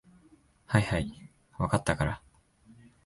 はいはい、分かったから。